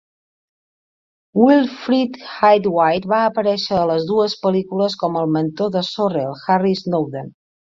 Wilfrid Hyde-White va aparèixer a les dues pel·lícules com el mentor de Sorrell, Harry Snowden.